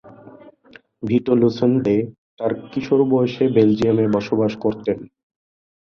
ভিটো লুসেন্তে তার কিশোর বয়সে বেলজিয়ামে বসবাস করতেন।